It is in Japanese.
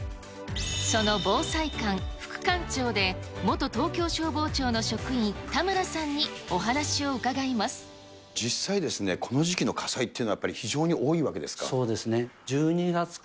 その防災館副館長で元東京消防庁の職員、実際ですね、この時期の火災っていうのは、やっぱり非常に多いわけですか。